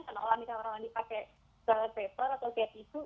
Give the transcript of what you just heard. kena olah nih kena olah nih pakai toilet paper atau kayak tisu